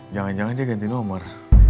jangan jangan dia ganti nomor